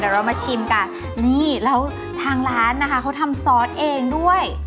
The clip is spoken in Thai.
เดี๋ยวเรามาชิมกันนี่แล้วทางร้านนะคะเขาทำซอสเองด้วย